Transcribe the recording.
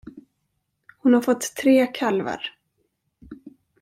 Hon har fått tre kalvar.